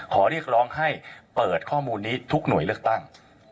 ขอเรียกร้องให้เปิดข้อมูลนี้ทุกหน่วยเลือกตั้ง